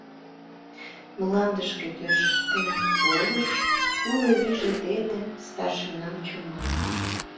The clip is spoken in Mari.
Мландышке тӧрштен волыш, уло вийже дене старшинам чумале.